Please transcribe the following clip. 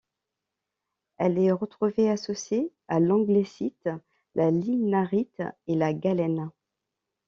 Elle est retrouvée associée à l'anglésite, la linarite et la galène.